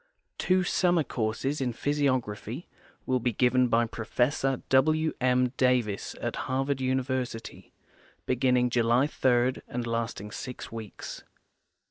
Two summer courses in physiography will be given by Professor W. ^I. Davis at Harvard University, beginning July 3 and lasting six weeks.